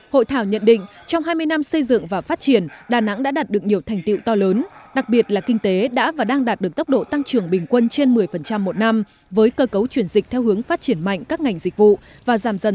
hội thảo nhận định trong hai mươi năm xây dựng và phát triển đà nẵng đã đạt được nhiều thành tiệu to lớn đặc biệt là kinh tế đã và đang đạt được tốc độ tăng trưởng bình quân trên một mươi